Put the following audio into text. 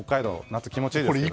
夏気持ちいいですよ。